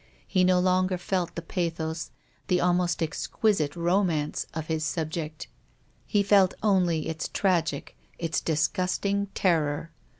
He no longer felt the pathos, the almost exquisite romance, of his subject. He felt only its tragic, its disgusting terror.